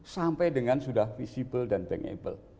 sampai dengan sudah visible dan bankable